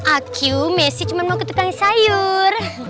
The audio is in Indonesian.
aku messi cuma mau ketukang sayur